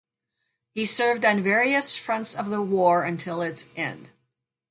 He served on various fronts of the war until its end.